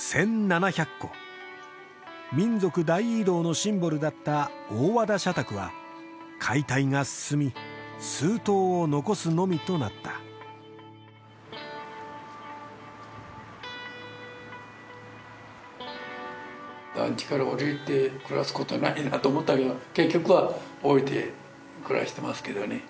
戸民族大移動のシンボルだった大和田社宅は解体が進み数棟を残すのみとなった団地からおりて暮らすことはないなと思ったけど結局はおりて暮らしてますけどね